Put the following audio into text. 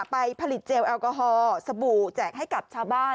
ไปผลิตเจลแอลกอฮอล์สบู่แจกให้กับชาวบ้าน